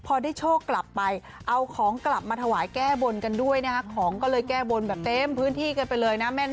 พอได้โชคกลับไปเอาของกลับมาถวายแก้บนกันด้วยนะฮะของก็เลยแก้บนแบบเต็มพื้นที่กันไปเลยนะ